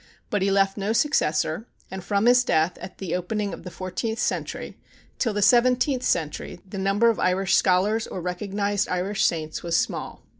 But he left no successor, and from his death, at the opening of the fourteenth century, till the seventeenth century the number of Irish scholars or recognized Irish saints was small.